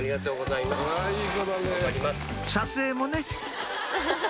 撮影もね！